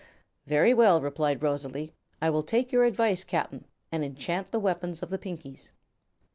"Very well," replied Rosalie; "I will take your advice, Cap'n, and enchant the weapons of the Pinkies."